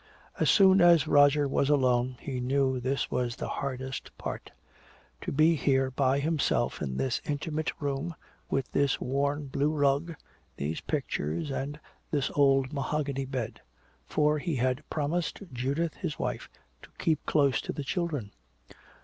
As soon as Roger was alone, he knew this was the hardest part to be here by himself in this intimate room, with this worn blue rug, these pictures and this old mahogany bed. For he had promised Judith his wife to keep close to the children.